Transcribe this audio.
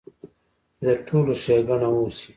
چې د ټولو ښېګړه اوشي -